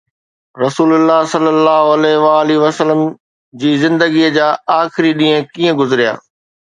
رسول الله ﷺ جي زندگيءَ جا آخري ڏينهن ڪيئن گذريا؟